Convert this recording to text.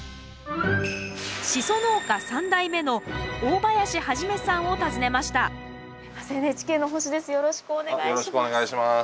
シソ農家３代目の大林元さんを訪ねましたＮＨＫの星です。